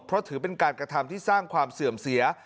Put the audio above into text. เพราะถือเป็นการกระทำที่สร้างความเสื่อมเสีย